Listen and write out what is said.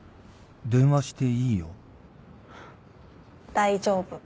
大丈夫。